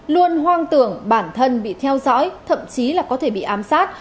luôn hoang tưởng bản thân bị theo dõi thậm chí là có thể bị ám sát